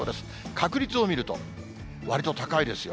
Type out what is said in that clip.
確率を見ると、わりと高いですよ。